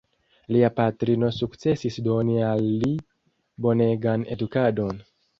Lia patrino sukcesis doni al li bonegan edukadon.